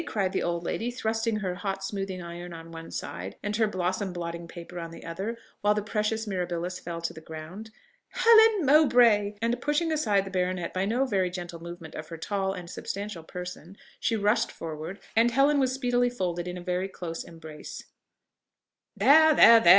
cried the old lady, thrusting her hot smoothing iron on one side, and her blossom blotting paper on the other, while the precious mirabilis fell to the ground; "Helen Mowbray!" and pushing aside the baronet by no very gentle movement of her tall and substantial person, she rushed forward, and Helen was speedily folded in a very close embrace. "There, there, there!